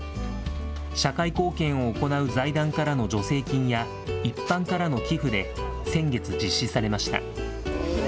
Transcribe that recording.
社会貢献を行う財団からの助成金や、一般からの寄付で先月、実施されました。